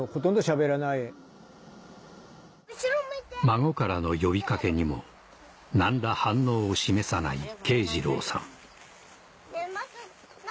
孫からの呼びかけにも何ら反応を示さない慶次郎さん